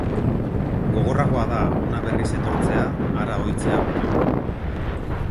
Gogorragoa da hona berriz etortzea, hara ohitzea baino.